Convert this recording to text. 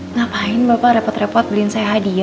ngapain bapak repot repot beliin saya hadiah